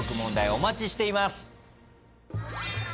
お待ちしています。